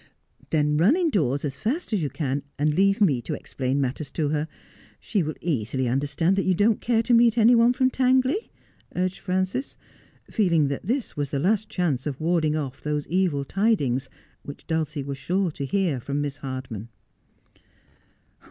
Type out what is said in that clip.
' Then run indoors as fast as you can, and leave me to explain matters to her. She will easily understand that you don't care to meet any one from Tangley,' urged Frances, feeling that this was the last chance of warding off those evil tidings which Dulcia was sure to hear from Miss Htrdman.